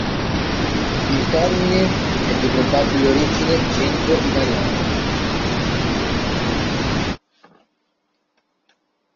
Il termine è di probabile origine centro-italiana.